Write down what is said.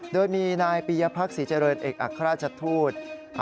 โดยมีนายปียภักษีเจริญเอกอัครราชทูต